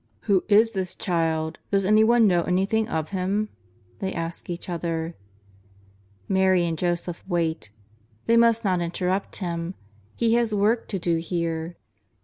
" Who is this Child ? Does anyone know anything of Him ?" they ask each other. Mary and Joseph wait. They must not interrupt Him. He has a work to do here.